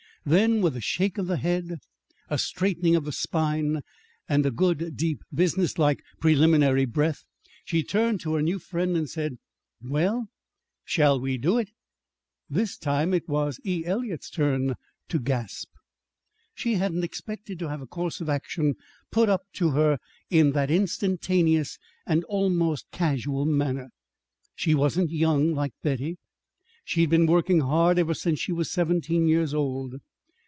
Then, with a shake of the head, a straightening of the spine, and a good, deep, business like preliminary breath, she turned to her new friend and said, "Well, shall we do it?" This time it was E. Eliot's turn to gasp. She hadn't expected to have a course of action put up to her in that instantaneous and almost casual manner. She wasn't young like Betty. She'd been working hard ever since she was seventeen years old.